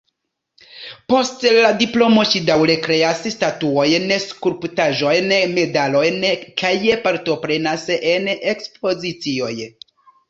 Post la diplomo ŝi daŭre kreas statuojn, skulptaĵojn, medalojn kaj partoprenas en ekspozicioj.